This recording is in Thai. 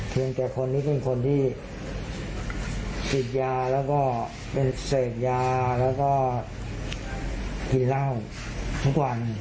แต่คนนี้เป็นคนที่ติดยาแล้วก็เป็นเสพยาแล้วก็กินเหล้าทุกวัน